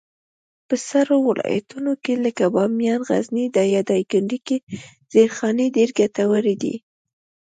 په سړو ولایتونو لکه بامیان، غزني، یا دایکنډي کي زېرخانې ډېرې ګټورې دي.